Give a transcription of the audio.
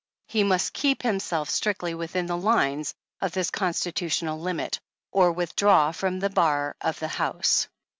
He must keep himself strictly within the lines of this Constitutional limit, or withdraw from the bar of the House."